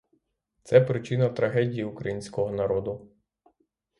Це причина трагедії українського народу.